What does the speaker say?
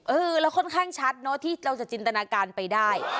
เราค่อนข้างชัดเนอะที่เราจะจินตนาการไปได้